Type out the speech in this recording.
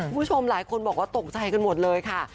คุณผู้ชมหลายคนบอกว่าตกใจกันหมดเลยค่ะ